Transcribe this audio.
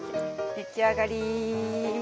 出来上がり！